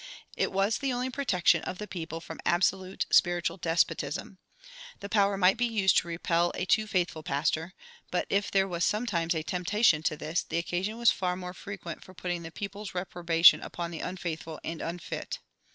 It was the only protection of the people from absolute spiritual despotism. The power might be used to repel a too faithful pastor, but if there was sometimes a temptation to this, the occasion was far more frequent for putting the people's reprobation upon the unfaithful and unfit.